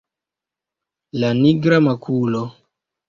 La nigra makulo!